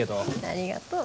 ありがとう。